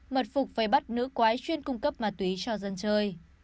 mật phục phải bắt nữ quái chuyên cung cấp ma túy cho dân chơi